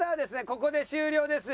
ここで終了です。